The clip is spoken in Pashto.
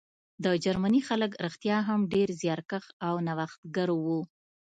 د جرمني خلک رښتیا هم ډېر زیارکښ او نوښتګر وو